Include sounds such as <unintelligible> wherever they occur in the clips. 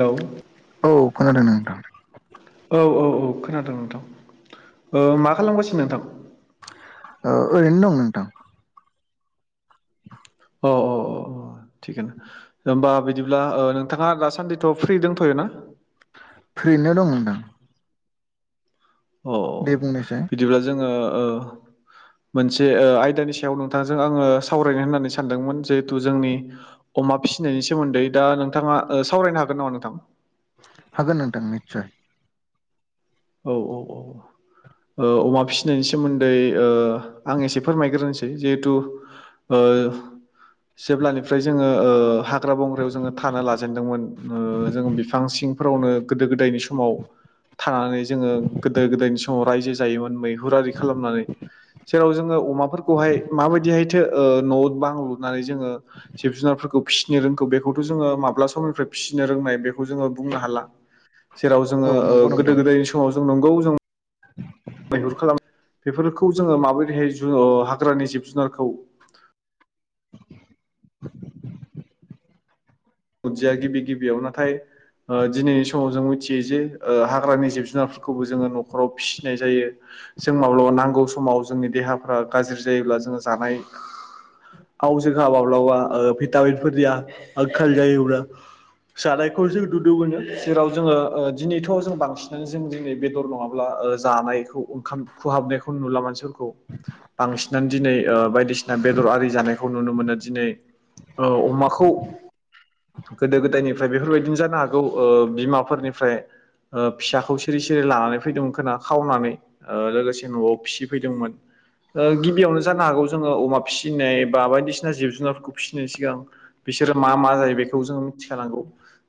Hello औ खोनादों नोंथां। औ औ औ खोनादों नोंथां ओ मा खालामगासिनो नोंथां? ओ ओरैनो दं नोंथां। द <inaudible> अ अ अ अ थिगानो होमबा बिदिब्ला ओ नोंथाङा दासान्दिथ' फ्रि दंथ'यो? ना? फ्रियैनो दं होनदां। औ बुंनायसाय बिदिब्ला जोङो ओ मोनसे ओ आयदानि सायाव नोंथांजों आङो सावरायनो होननानै सानदोंमोन जिहेथु जोंनि अमा फिसिनायनि सोमोन्दै दा नोंथाङा ओ सावरायनो हागोन नामा नोंथां? हागोन नांथां निसय। औ औ औ। ओ अमा फिसिनायनि सोमोन्दै आं एसे फोरमायग्रोनोसै जिहेथु। ओ। जेब्लानिफ्राय जोङो ओ हाग्रा बंग्रायाव जोङो थानो लाजेनदोंमोन ओ जों बिफां सिंफोरावनो गोदो गोदायनि समाव थानानै जोङो गोदो गोदायनि समाव रायजो जायोमोन मैहुरारि खालामनानै जेराव जों अमाफोरखौहाय माबायदिहायथो ओ न' बां लुनानै जोङो जिब जुनारफोरखौ फिसिनो रोंखो बेखौथ' जोङो माब्ला समनिफ्राय फिसिनो रोंनाय बे खौ जोङो बुंनो हाला जेराव औ जोङो ओ नंगौ गोदो नोंथां गोदायनि स नंगौ जों मैहुर खालाम बेफोरखौ जोङो माबोरैहाय ओ हाग्रानि जिब जुनारखौ उदजया गिबि गिबियाव नाथाय ओ दिनैनि समाव जों मिथियो जे ओ हाग्रानि जिब जुनारफोरखौबो जोङो न'खराव फिसिनाय जायो। जों माब्लाबा नांगौ समाव जोंनि देहाफ्रा गाज्रि जायोब्ला जोङो जानाय आव जोंहा माब्लाबा ओ भिटामिनफोरनिया आंखाल जायोब्ला जानायखौ जों नुनो मोनो जेराव जोङो ओ दिनैथ' जों बांसिनानो जों दिनै बेदर नङाब्ला ओ जानाय ओंखाम खुहाबनायखौ नुला मानसिफोरखौ बांसिनानो दिनै ओ बायदिसिना बेदर आरि जानाय खौ नुनो मोनो दिनै औ अमाखौ गोदो गोदायनि फ्राय बेफोरबायदिनो जानो हागौ ओ बिमाफोरनिफ्राय ओ फिसाखौ सिरि सिरि लानानै फैदोंमोन खोना खावनानै ओ लोगोसे न'आव फिसिफैदोंमोन। ओ गिबियावनो जानो हागौ जोङो अमा फिसिनाय बा बायदिसिना जिब जुनारफोरखौ फिसिनायनि सिगां बिसोर मा मा जायो बेखौ जों मिथिखानांगौ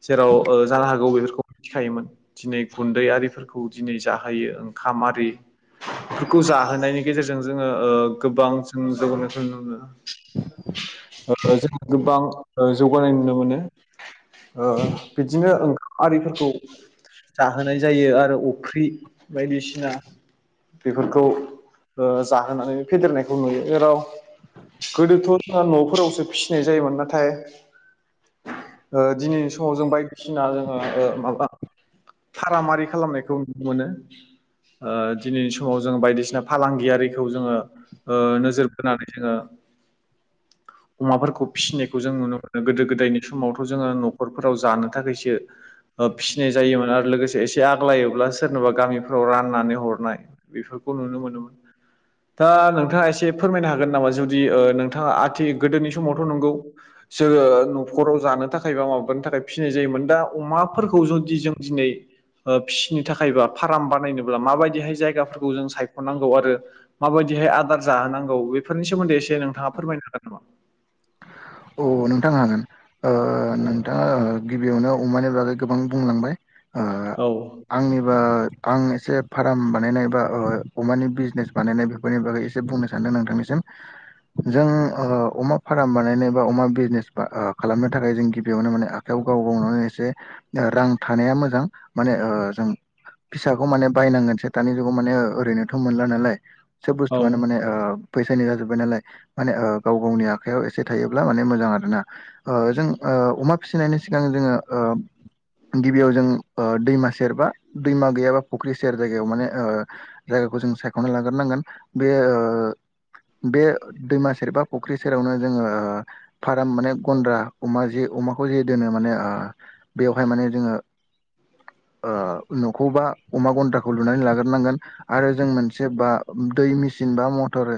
जेराव ओ जानो हागौ बे मिथिखोयोमोन दिनै गुन्दै आरि फोरखौ दिनै जाहोयो ओंखाम आरि बेखौ जाहोनायनि गेजेरजों जोङो ओ गोबां जों जौगानायखौ नुनो मोनो। जोङो गोबां जौगानाय नुनो मोनो। ओ बिदिनो ओंखाम आरिफोरखौ जाहोनाय जायो आरो अफ्रि बायदिसिना बेफोरखौ ओ जाहोनानै फेदेरनायखौ नुयो जेराव गोदोथ' जोंहा न'फोरावसो फिसिनाय जायोमोन नाथाय ओ दिनैनि समाव जों बायदिसिना जोङो ओ माबा फाराम आरि खालामनायखौ नुनो मोनो। ओ दिनैनि समाव जों बायदिसिना फालांगियारिखौ जोङो ओ नोजोर बोनानै जोङो अमाफोरखौ फिसिनायखौ जों नुनो मोनो। गोदो गोदायनि समावथ' जोङो न'खरफोराव जानो थाखायसो ओ फिसिनाय जायोमोन आरो लोगोसे एसे आग्लायोब्ला सोरनोबा गामिफ्राव राननानै हरनाय बेफोरखौ खौ नुनो मोनोमोन दा नोंथाङा एसे फोरमायनो हागोन नामा जुदि ओ नों थाङा आथि गोदोनि समावथ' नंगौ जोङो न'खराव जानो थाखाय बा माबानो थाखाय फिसिनाय जायोमोन दा अमाफोरखौ जुदि जों दिनै फिसिनो थाखाय बा फाराम बानायनोब्ला माबायदिहाय जायगाफोरखौ जों सायख'नांगौ आरो माबाय दिहाय आदार जाहोनांगौ बेफोरनि सोमोन्दै एसे नोंथाङा फोरमायनो हागोन नामा? अ नोंथां हागोन ओ औ नोंथाङा गिबियावनो अमानि बागै गोबां बुंलांबाय ओ औ आंनिबा आं एसे फाराम बानायनाय बा अमानि बिजनेस बानायनाय बेफोरनि बागै एसे बुंनो सानदों नोंथांनिसिम। जों ओ अमा फाराम बानायनाय बा अमा बिजनेस बा ओ खालामनो थाखाय जों गिबियावनो माने आखाइायाव गाव गावनावनो एसे रां थानाया मोजां माने ओ जों फिसाखौ माने बायनांगोनसो दानि जुगाव माने ओ ओरैनोथ' मोनला नालाय। सोब औ बुस्थुआनो माने ओ फैसानि जाजोब्बाय नालाय माने ओ गाव गावनि आखाइयाव एसे थायो ब्ला माने मोजां आरोना ओ जों ओ-् अमा फिसिनायनि सिगां जोङो ओ गिबियाव जों ओ दैमा सेर बा दैमा गैयाबा फुख्रि सेर जायगायाव माने ओ ज जों सायख'नो लाग्रोनांगोन बे ओ बे दैमा सेर बा फुख्रि सेरावनो जोङो ओ फाराम माने गन्द्रा अमा जे अमाखौ जे दोनो माने ओह बेवहाय माने जोङो <unintelligible> ओह न'खौ बा अमा गन्द्राखौ लुनानै लाग्रोनांगोन आरो जों मोनसे बा दै मिस सिन बा मथर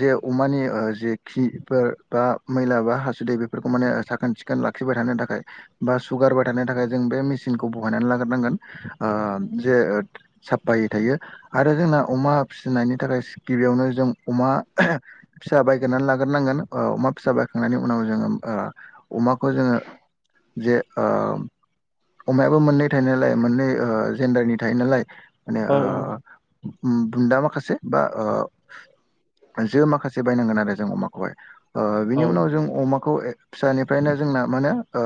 जे अमानि ओ जे खिफोर बा मैला बा हासुदै बेफोरखौ माने ओ साखोन सिखोन लाखिबाय थानो थाखाय बा सुगारबाय थानो थाखाय जों बे मेस सिनखौ बहायनानै लाग्रोनांगोन ओ जे ओद साबपायै थायो आरो जोंना अमा फिसिनायनि थाखाय <unintelligible> गिबियावनो जों अमा <unintelligible> फिसा बायगोरनानै लागोरनांगोन औ माब ओह बायखांनायनि उनाव जोङोम ओ अमाखौ जोङो जे ओ अमायाबो मोननै थायो नालाय मोननै ओ जेन्डारनि थायो नालाय माने ओह उम बुन्दा माखासे बा ओ जो माखासे बायनांगोन आरो जों माखौहाय ओ बिनि उनाव जों अमाखौ ए फिसानिफ्रायनो जोंना मोनो ओ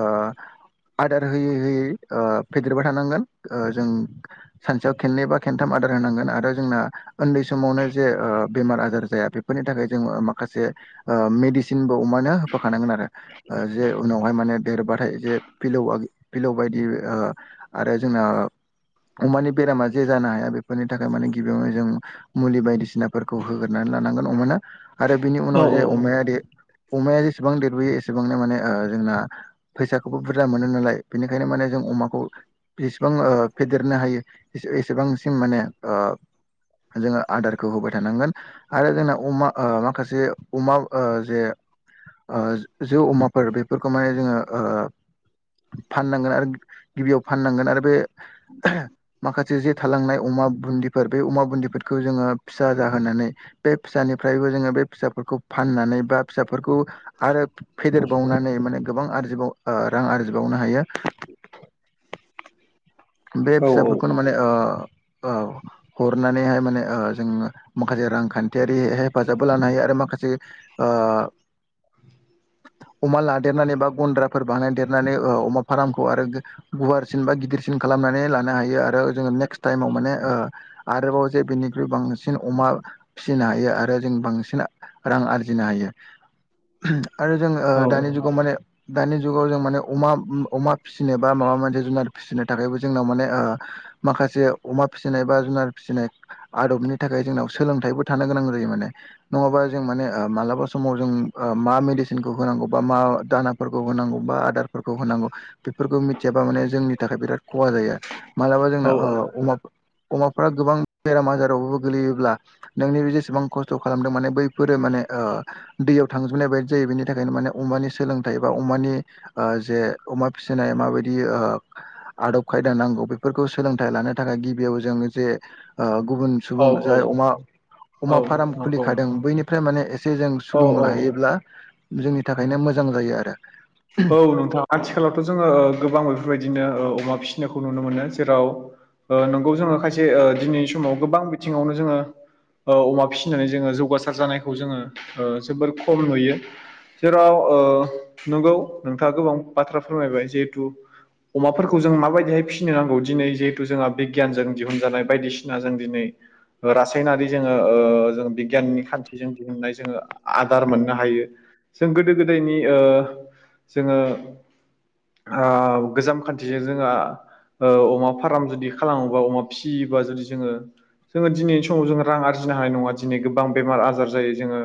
आदार होयै होयै ओ फेदेरबाय थानांगोन ओ जों सानसेयाव खेननै बा खेनथाम आ आदार होनांगोन आरो जोंना ओन्दै समावनो जे ओ बेमार आजार जाया बेफोरनि थाखाय जोंङो ओ माखासे ओ मेडि <unintelligible> <unintelligible> अमानो होफाखानांगोन आरो ओ जे उनावहाय माने देरबाथाय जे फिलौआ फिलौ बायदि ओह आरो जोंना अमानि बेरामा जे जानो हाया बेफोरनि थाखाय माने गिबियावनो जों मुलि बायदिस सिनाफोरखौ होग्रोनानै लानांगोन अमानो आरो बेनि उनाव जे अमाया दे अमाया जेसेबां देरबोयो एसेबांनो माने ओ जोंना फैसाखौबो बुरजा मोनो नालाय बेनिखायनो माने जों अमाखौ एसेबां ओ फेदेरनो हायो एस एसेबांसिम माने ओ जोङो आदारखौ होबाय थानांगोन आरो जोंना अमा ओह माखासे अमा ओ जे ओ <unintelligible> जौ अमाफोर बेफोरखौ माने जोङो ओ फाननांगोन आरो गिबियाव फाननांगोन आरो बे माखासे जे थालांनाय अम अमा बुन्दिफोर बे अमा बुन्दिफोरखौ जोङो फिसा जाहोनानै बे फिसानिफ्रायबो जोङो बे फिसाफोरखौ फाननानै बा फिसाफोरखौ आरो फेदेरबावनानै माने गोबां आरजिबाव ओ रां आरजिबावनो हायो। <unintelligible> बे फिसाफोरखौनो माने ओ औ <unintelligible> हरनानैहाय माने ओ जों माखासे रांखान्थियारि हेफाजाबबो लानो हायो आरो माखासे ओ <unintelligible> अमा लादेरनानै बा गन्द्राफोर बानायदेरनानै ओ अमा फारामखौ आरो गो गुवारसिन बा गिदिर स खालामनानै लानो हायो आरो जोङो नेक्स्ट टाइमाव माने ओ आरोबाव जे बिनिख्रुइ बांसिन अमा फिसिनो हायो आरो जों बांसिन रां आरजिनो हायो। <unintelligible> आरो जों ओ दानि जुगाव माने दानि जुगाव जों माने अमा अमा फिसिनो बा माबा मोनसे जुनार फिसिनो थाखायबो जोंनाव माने ओ माखासे अमा फिसिनाय बा जुनार फिसिनाय आदबनि थाखाय जोंनाव सोलोंथाइबो थानो गोनां जायो माने नङाबा जों माने ओ मालाबा समाव <unintelligible> जों ओ मा मेदिसिनखौ होनांगौबा मा दानाफोरखौ होनांगौ बा आदारफोरखौ होनांगौ बेफोरखो मिथियाबा माने जोंनि थाखाय बिराद खहा जायो मालाबा औ जोंना ओ अमा अमाफोरा गोबां बेराम आजारावबो गोलैयोब्ला नोंनि जेसेबां खस्थ' खालामदों माने बैफोरो माने ओह दैयाव थांजोबनाय बायदजि जायो बेनि थाखायनो माने अमानि सोलोंथाइ बा अमानि ओ जे अमा फिसिनाय माबायदि ओ आदब खायदा नांगौ बेफोरखौ सोलोंथाइ लानो थाखाय गिबियाव जों जे ओ गुबुन सुबुं जाय अमा अमा फाराम नंगौ खुलिखादों बैनिफ्राय माने एसे जों औ सुलुं लाहैयोब्ला जोंनि थाखायनो मोजां जायो आरो। औ नोंथां आथिखालावथ' जोङो ओ गोबां बेफोरबायदिनो ओ अमा फिसि सिनायखौ नुनो मोनो जेराव ओ नोंगौ जोङो खायसे ओ दिनैनि समाव गोबां बिथिङावनो जोङो ओ अमा फिसिनानै जोङो जौगासार जानायखौ जोङो ओ जोबोर खम नुयो। जेराव ओ नंगौ नोंथाङा गोबां बाथ्रा फोरमायबाय जिहेथु अमाफोरखौ जों माबायदिहाय फिसिनो नांगौ दिनै जिहेथु जोंहा बिगियानजों दिहुनजानाय बायदिसिना जों दिनै रासायनारि जोङो ओ जों बिगियाननि खान्थिजों दिहुननाय जोङो आदार मोननो हायो। जों गोदो गोदायनि ओ जोङो ओ गोजाम खान्थिजों जोङो ओ अमा फार्म जुदि खालामोबा अमा फिसियोबा जुदि जोङो जोङो दिनैनि समाव जोङो रां आरजिनो हानाय नङा। दिनै गोबां बेमार आजार जायो जोङो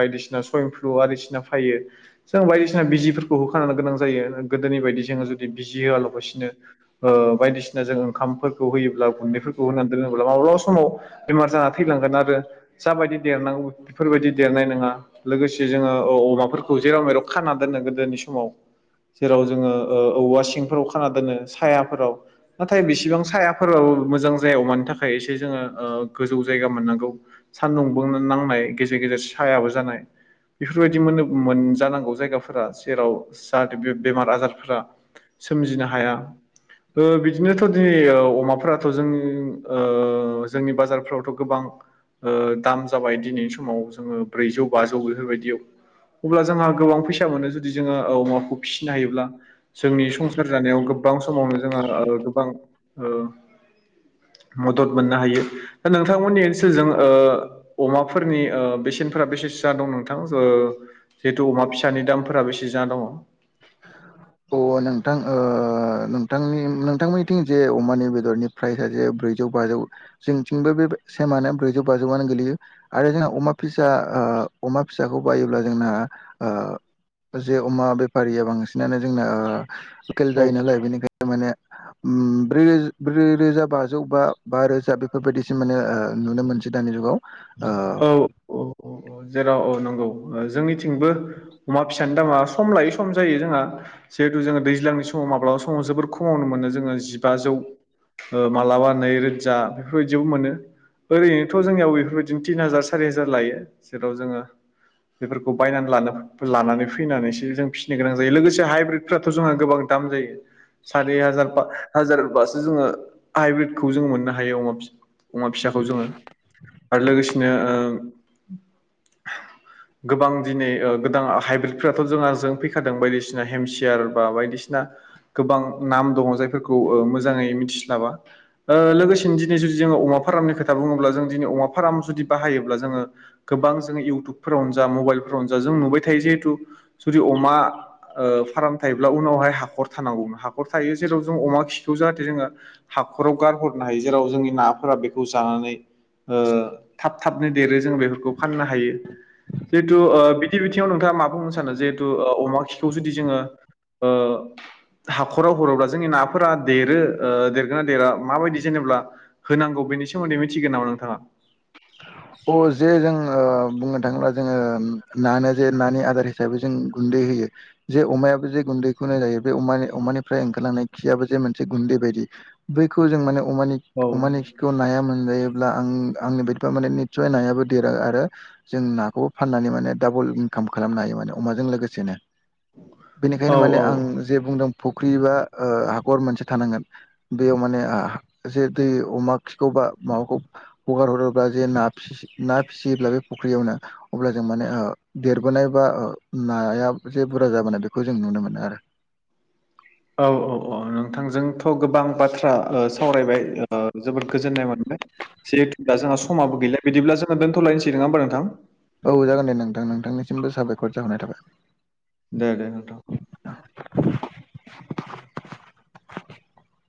बायदिसिना सुवइन फ्लु बदिसिना फायो जों बायदिसिना बायदिसिना बिजिफोरखौ होखानो गोनां जायो गोदोनि बायदि जोङो जुदि बिजि होआलाबसिनो ओ बायदिसिना सिना जों ओंखामफोरखौ होयोब्ला गुन्दैफोरखौ होनानै दोनोब्ला माब्लाबा समाव बेमार जाना थैलांगोन आरो। जाबायदि देरनांगौ बेफोरबायदि देरनाय नङा लोगोसे जोङो अ-अमाफोरखौ जेराव मेराव खाना दोननो गोदोनि समाव जेराव जोङो ओ औवा सिंफोराव खाना दोनो सायाफोराव नाथाय बेसेबां सायाफोरबाबो मोजां जाया अमानि थाखाय एसे जोङो ओ गोजौ जायगा मोननांगौ सान्दुंबो नांनाय गेजेर गेजेर सायाबो जानाय बेफोरबायदि माने मोनजानांगौ। जायगाफोरा जेराव जाहाथे बे बेमार आजारफोरा सोमजिनो हाया। बिदिनोथ' दिनै अमाफोराथ' जों ओ जोंनि बाजारफ्रावथ' गोबां ओ दाम जाबाय दिनैनि समाव जोङो ब्रैजौ बाजौ बेफोरबायदियाव अब्ला जोंहा गोबां फैसा मोनो जुदि जोङो औ अमा खौ फिसिनो हायोब्ला जोंनि संसार जानायाव गोबां समावनो जोंहा गोबां औ। मदद मोननो हायो दा नोंथांमोननि ओनसोलजों ओ अमाफोरनि ओ बेसेनफोरा बेसे सो जाना दं नोंथां ओ जिहेतु अमा फिसानि दामफोरा बेसे जाना दङ? अ नोंथां ओ नोंथांनि नोंथांमोननिथिं जे अमानि बेदरनि प्राइसआ जे ब्रैजौ बाजौ जोंनिथिंबो बे सेमानो ब्रैजौ बाजौआनो गोल्लैयो आरो जोंहा अमा फिसा ओ अमा फिसाखौ बायोब्ला जोंना ओ जे अमा बेफारिया बांसिनानो जोंना लकेल औ जायो नालाय बेनिखायनो माने ओम ब्रै ब्रै रोजा बाजौ बा बा रोजा बेफोरबायदिसो माने ओ नुनो मोनसै दानि जुगाव। ओ औ औ औ औ जेराव औ नंगौ जोंनि थिंबो अमा फिसानि दामआ सम लायै सम जायो जोंहा जिहेथु जोङो दैज्लांनि समाव माब्लाबा समाव जोबोर खमावनो मोनो जोङो जिबाजौ ओ मालाबा नै रोजा बेफोरबायदियावबो मोनो ओरैनोथ' जोंनियाव बेफोरबायदि जों थिन हाजार सारि हाजार लायो जेराव जोङो बेफोरखौ बायनानै लानो लानानै फैनानैसो जों फिसिनो गोनां जायो लोगोसे हाइब्रिदफ्राथ' जोंहा गोबां दाम जायो। सारि हाजारबा हाजार बासो जोङो हाइब्रिदखौ जों मोननो हायो अमा फिसा अमा फिसाखौ जोङो आरो लोगोसेनो ओ गोबां दिनै गोदान हाइब्रिदफोराथ' जोंहा जों फैखादों बायदिसिना हेमसियार बा बायदिसिना गोबां नाम दङ जायफोरखौ ओ मोजाङै मिथिस्लाबा लोगोसेनो दिनै जु जों अमा फारामनि खोथा बुङोबा जों दिनै अमा फार्म जुदि बाहायोब्ला जोङो गोबां जोङो इउटुबफोरावनो जा मबाइलफोरावनो जा जों नुबाय थायो जिहेतु जुदि अमा फार्म थायोब्ला उनावहाय हाखर थानांगौमोन हाखर थायो जेराव जों अमा खिखौ जाहाथे जोङो हाखराव गारहरनो हायो जेराव जोंनि नाफोरा बेखौ जानानै ओ थाब थाबनो देरो जों बेफोरखौ फाननो हायो जिहेतु ओ बिदि बिथिङाव नोंथाङा मा बुंनो सानो जिहेतु ओ अमा खिखौ जुदि जोङो ओ हाखराव हरोब्ला जोंनि नाफोरा देरो ओ देरगोना देरा माबायदि जेनेबा होनांगौ। बेनि सोमोन्दै मिथिगोन नामा नोंथाङा? अ जे जों ओ बुंनो थाङोब्ला जोङो नानो जे नानि आदार हिसाबै जों गुन दै होयो जे अमायाबो जे गुन्दैखौनाय जायो बे अमा अमानिफ्राय ओंखारलांनाय खियाबो जे मोनसे गुन्दै ब बायदि बैखौ जों माने अमानि औ अमानि खिखौ नाया मोनजायोब्ला आं आंनि माने निसय नायाबो देरो आरो जों नाखौबो फाननानै माने दाबल इनकाम खालामनो हायो माने अमाजों लोगोसेनो औ बेनिखायनो माने औ आं जे बुंदों फुख्रि बा हाखर मोनसे थानांगोन बेयाव माने जे दै अमा खिखौ बा माबाखौ हगारहरो अब्ला जे ना फिस ना फिसियोब्ला बे फुख्रियावनो अब्ला जों माने देरबोनाय बा नाया जे बुरजा जाबोनाय बेखौ जों नुनो मोनो आरो <inaudible> औ औ औ नोंथांजोंथ' गोबां बाथ्रा सावरायबाय जोबोद गोजोननाय मोनदों जहेथु दा जोंहा समाबो गैलिया बिदिब्ला जोङो दोनथ'लायनोसै नङा होमबा नोंथां औ जागोन दे नोंथां नोंथांनिसिमबो साबायखर जाहोननाय थाबाय दे दे नोंथां। <inaudible> <unintelligible>